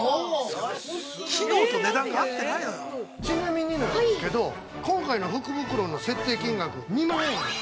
◆ちなみになんですけど、今回の福袋の設定金額、２万円です。